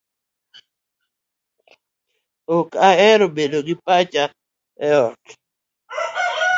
Ok ahero bedo gi paka e ot